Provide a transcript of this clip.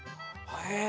へえ。